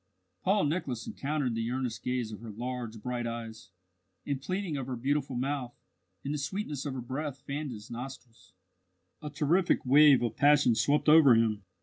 Paul Nicholas encountered the earnest gaze of her large, bright eyes, the pleading of her beautiful mouth, and the sweetness of her breath fanned his nostrils. A terrific wave of passion swept over him.